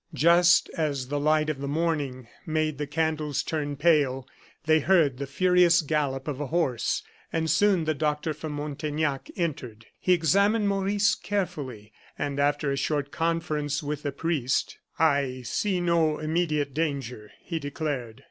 Just as the light of the morning made the candles turn pale, they heard the furious gallop of a horse, and soon the doctor from Montaignac entered. He examined Maurice carefully, and, after a short conference with the priest: "I see no immediate danger," he declared.